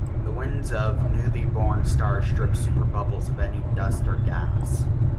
The winds of newly born stars strip superbubbles of any dust or gas.